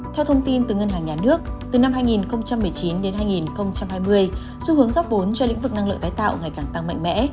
theo thông tin từ ngân hàng nhà nước từ năm hai nghìn một mươi chín đến hai nghìn hai mươi xu hướng rót vốn cho lĩnh vực năng lượng tái tạo ngày càng tăng mạnh mẽ